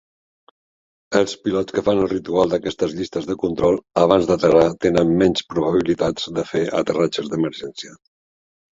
Els pilots que fan el ritual d'aquestes llistes de control abans d'aterrar tenen menys probabilitats de fer aterratges d'emergència.